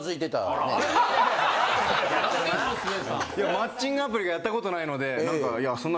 マッチングアプリがやったことないので何かそんな。